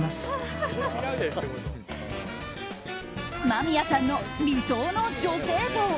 間宮さんの理想の女性像。